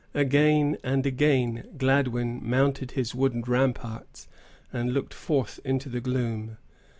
Again and again Gladwyn mounted his wooden ramparts, and looked forth into the gloom.